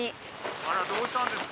あらどうしたんですか？